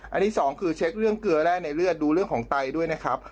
อันนี้สองคือเช็คเรื่องเกลือแร่ในเลือดดูเรื่องของไตด้วยนะครับ